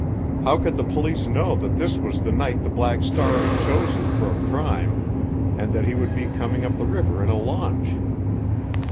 How could the police know that this was the night the Black Star had chosen for a crime and that he would be coming up the river in a launch?